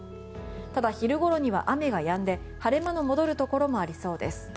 ただ、昼ごろには雨がやんで晴れ間の戻るところもありそうです。